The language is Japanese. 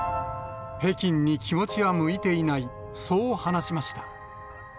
北京に気持ちは向いていない、そう話しました。